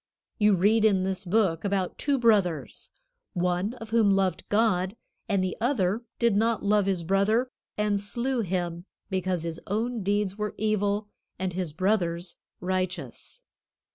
You read in this book about two brothers, one of whom loved God, and the other did not love his brother, and slew him because his own deeds were evil and his brother's righteous.